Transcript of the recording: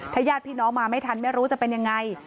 ญาติพี่น้องมาไม่ทันไม่รู้จะเป็นยังไง